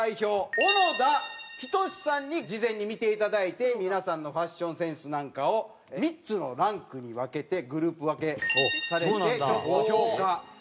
小野田史さんに事前に見ていただいて皆さんのファッションセンスなんかを３つのランクに分けてグループ分けされてちょっと評価してくれてるみたいです。